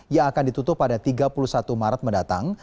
yang akan ditutup pada tiga puluh satu maret mendatang